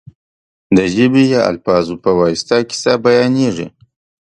د ژبې یا الفاظو په واسطه کیسه بیانېږي.